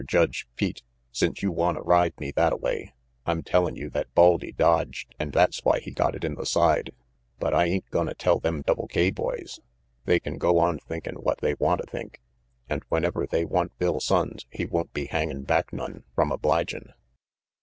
Judge Pete, since you wanta ride me thatta way, I'm tellin' you that Baldy dodged and that's why he got it in the side. But I ain't gonna tell them Double K boys. They can go on thinkin' what they wanta think, and whenever they want Bill Sonnes he won't be hangin' back none from obligin'."